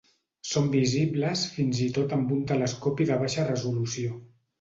Són visibles fins i tot amb un telescopi de baixa resolució.